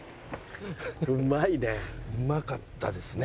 うまかったですね。